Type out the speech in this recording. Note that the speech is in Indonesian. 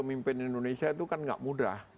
pemimpin indonesia itu kan gak mudah